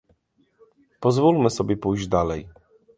Pozwólmy sobie pójść dalej